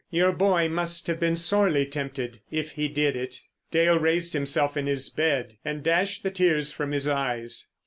"Your boy must have been sorely tempted—if he did it." Dale raised himself in his bed, and dashed the tears from his eyes.